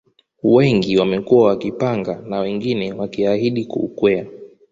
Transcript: Wengi wamekuwa wakipanga na wengine wakiahidi kuukwea